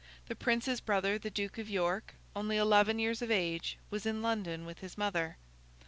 The prince's brother, the Duke of York, only eleven years of age, was in London with his mother.